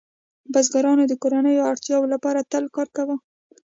بزګرانو د کورنیو اړتیاوو لپاره تل کار کاوه.